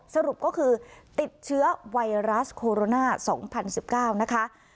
สรุปก็คือติดเชื้อไวรัสโคโรนา๒๐๑๙นะคะ